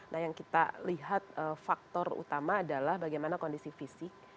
nah yang kita lihat faktor utama adalah bagaimana kondisi fisik